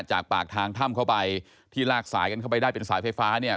จากปากทางถ้ำเข้าไปที่ลากสายกันเข้าไปได้เป็นสายไฟฟ้าเนี่ย